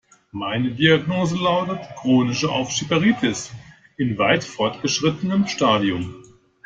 Meine Diagnose lautet chronische Aufschieberitis in weit fortgeschrittenem Stadium.